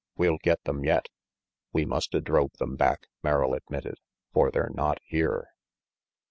We'll get them yet!" "We musta drove them back," Merrill admitted, "for they're not here."